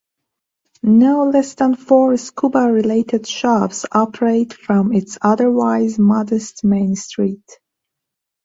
No less than four scuba-related shops operate from its otherwise modest main street.